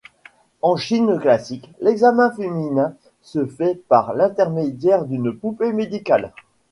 En chine classique, l'examen féminin se fait par l'intermédiaire d'une poupée médicale.